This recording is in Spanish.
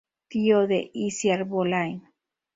Tío de Icíar Bollaín.